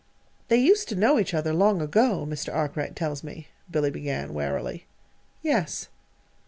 "They used to know each other long ago, Mr. Arkwright tells me," Billy began warily. "Yes."